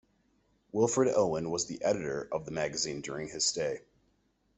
Wilfred Owen was the editor of the magazine during his stay.